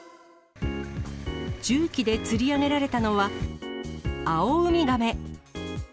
重機でつり上げられたのは、アオウミガメ。